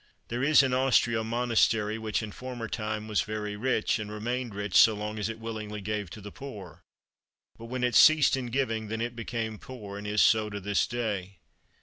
There is in Austria a monastery which in former time was very rich, and remained rich so long as it willingly gave to the poor; but when it ceased in giving, then it became poor, and is so to this day.